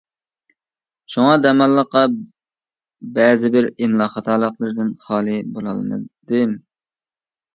شۇڭا دەماللىققا بەزىبىر ئىملا خاتالىقلىرىدىن خالىي بولالمىدىم.